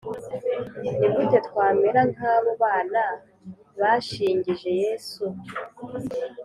Ni gute twamera nk abo bana bashingije Yesu